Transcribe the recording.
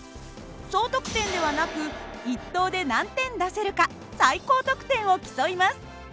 総得点ではなく１投で何点出せるか最高得点を競います。